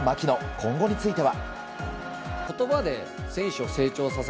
今後については。